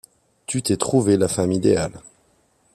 tu t'es trouvé la femme idéale